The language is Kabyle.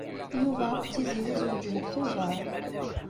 Yuba akked Tiziri zewǧen deg Tubeṛ.